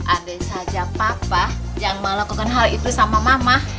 andai saja papa yang mau lakukan hal itu sama mama